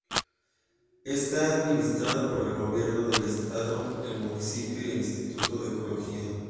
Está administrado por el Gobierno del Estado, el municipio y el Instituto de Ecología.